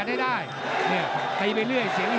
มันต้องอย่างงี้มันต้องอย่างงี้